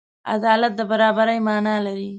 عدالت د برابري معنی لري.